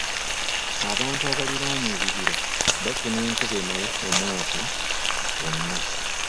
Abantu abaliraanye ebibira bafuna enkuba emala omwaka gwonna.